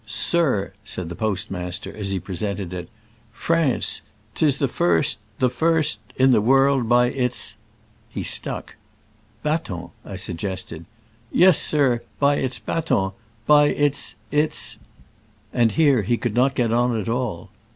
"Sir," said the postmaster, as he presented it, France ! 'tis the first — the first nation in the world, by its —" He stuck. "Batons," I suggested. "Yes, yes, sir: by its batons, by its — its—" and here he could not get on at all.